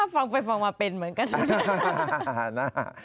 ฟังไปฟังมาเป็นเหมือนกัน